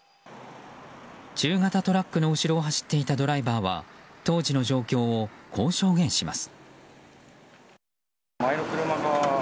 中型トラックの後ろを走っていたドライバーは当時の状況を、こう証言します。